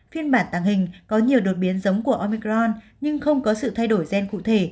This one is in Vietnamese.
phiên bản tàng hình có nhiều đột biến giống của omicron nhưng không có sự thay đổi gen cụ thể